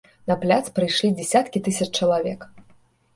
На пляц прыйшлі дзясяткі тысяч чалавек.